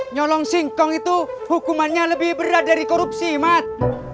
nyalong singkong itu hukumannya lebih berat dari korupsi mat